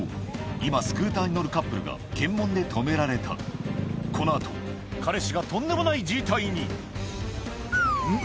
今スクーターに乗るカップルが検問で止められたこの後彼氏がとんでもない事態にうん？